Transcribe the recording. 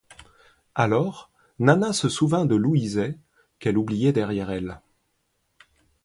Alors, Nana se souvint de Louiset, qu'elle oubliait derrière elle.